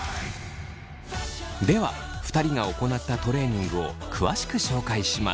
では２人が行ったトレーニングを詳しく紹介します。